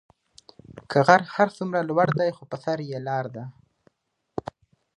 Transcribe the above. كه غر هر سومره لور دي خو به سر ئ لار دي.